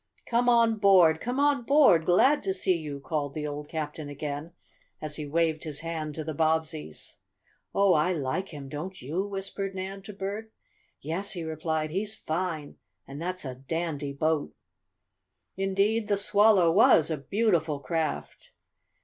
"Come on board! Come on board! Glad to see you!" called the old captain again, as he waved his hand to the Bobbseys. "Oh, I like him, don't you?" whispered Nan to Bert. "Yes," he replied. "He's fine; and that's a dandy boat!" Indeed the Swallow was a beautiful craft.